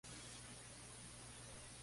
Alfredo Baldomir.